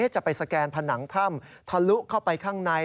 จะไปสแกนผนังถ้ำทะลุเข้าไปข้างใน